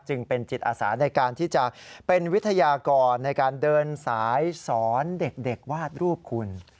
เป็นจิตอาสาในการที่จะเป็นวิทยากรในการเดินสายสอนเด็กวาดรูปคุณ